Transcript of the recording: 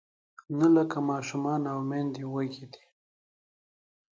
نهه لاکه ماشومان او میندې وږې دي.